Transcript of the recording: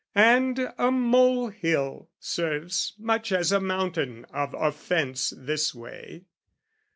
and a molehill serves Much as a mountain of offence this way.